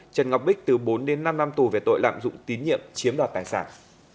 trần ngọc bích từ bốn đến năm năm tù về tội lạm dụng tín nhiệm chiếm đoạt tài sản